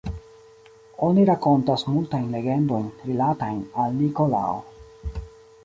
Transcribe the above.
Oni rakontas multajn legendojn rilatajn al Nikolao.